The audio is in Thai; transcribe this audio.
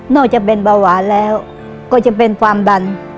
จะเป็นเบาหวานแล้วก็จะเป็นความดัน